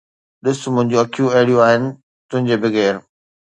ڏس، منهنجون اکيون اهڙيون آهن، تنهنجي بغير.